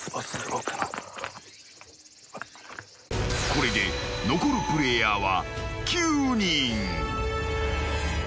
［これで残るプレイヤーは９人］